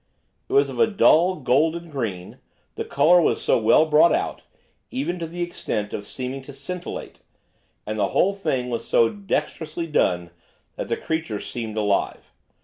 It was of a dull golden green; the colour was so well brought out, even to the extent of seeming to scintillate, and the whole thing was so dexterously done that the creature seemed alive.